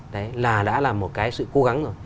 đấy là đã là một cái sự cố gắng rồi